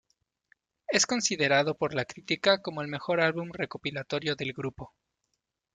Es considerado por la critica como el mejor álbum recopilatorio del grupo.